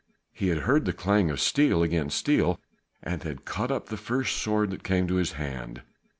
He had heard the clang of steel against steel and had caught up the first sword that came to his hand.